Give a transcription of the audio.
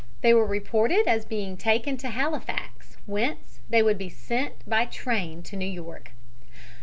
They were reported as being taken to Halifax, whence they would be sent by train to New York.